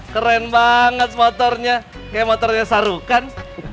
keren banget motornya kayak motornya sarukan